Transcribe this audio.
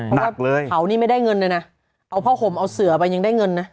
หมดเลยเผานี่ไม่ได้เงินเลยนะเอาผ้าห่มเอาเสือไปยังได้เงินนะ